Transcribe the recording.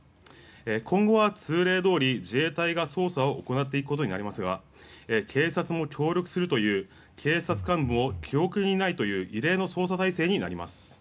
今後は通例どおり自衛隊が捜査を行っていくことになりますが警察も協力するという警察幹部も記憶にないという異例の捜査体制になります。